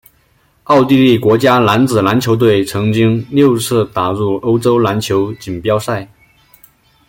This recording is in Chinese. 奥地利国家男子篮球队曾经六次打入欧洲篮球锦标赛。